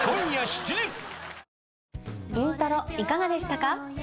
『イントロ』いかがでしたか？